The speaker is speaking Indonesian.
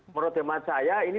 menurut demikian saya ini